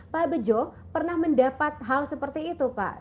pak bejo pernah mendapat hal seperti itu pak